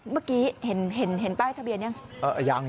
เมื่อกี้เห็นป้ายทะเบียนยัง